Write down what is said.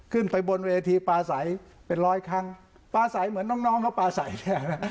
ขึ้นไปบนเวทีปลาสัยเป็นร้อยครั้งปลาสัยเหมือนน้องน้องก็ปลาสัยแท้นะ